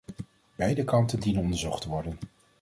Beide kanten dienen onderzocht te worden.